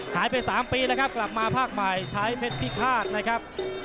หายไป๓ปีแล้วครับกลับมาภาคใหม่ใช้เพชรพิฆาตนะครับ